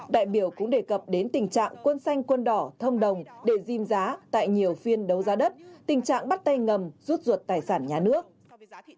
đại biểu cũng đề cập đến tình trạng quân xanh quân đỏ thông đồng để diêm giá tại nhiều phiên đấu giá đất tình trạng bắt tay ngầm rút ruột tài sản nhà nước